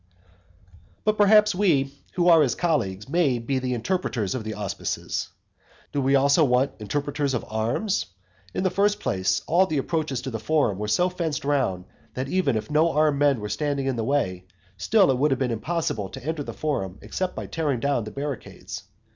IV. But perhaps we, who are his colleagues, may be the interpreters of the auspices? Do we also want interpreters of arms? In the first place, all the approaches to the forum were so fenced round, that even if no armed men were standing in the way, still it would have been impossible to enter the forum except by tearing down the barricades.